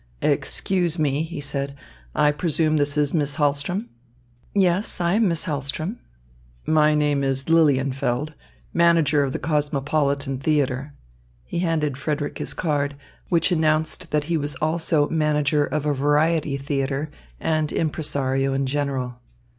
"Excuse me," he said, "I presume this is Miss Hahlström?" "Yes. I am Miss Hahlström." "My name is Lilienfeld manager of the Cosmopolitan Theatre." He handed Frederick his card, which announced that he was also manager of a variety theatre and impresario in general.